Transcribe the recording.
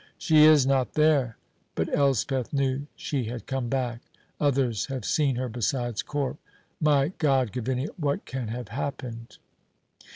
"She is not there. But Elspeth knew she had come back. Others have seen her besides Corp. My God, Gavinia! what can have happened?"